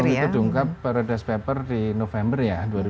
ya sebelum itu diungkap paradise papers di november dua ribu tujuh belas